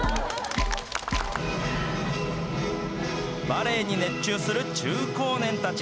バレエに熱中する中高年たち。